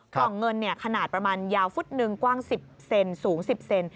กล่องเงินขนาดประมาณยาวฟุตหนึ่งกว้าง๑๐เซนสูง๑๐เซน